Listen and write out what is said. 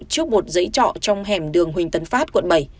trước một dãy trọ trong hẻm đường huỳnh tấn phát quận bảy